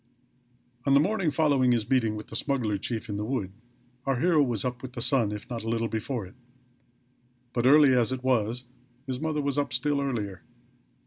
On the morning following his meeting with the smuggler chief in the wood our hero was up with the sun, if not a little before it. But, early as it was, his mother was up still earlier.